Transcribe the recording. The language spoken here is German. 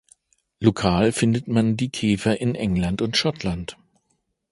Lokal findet man die Käfer in England und Schottland.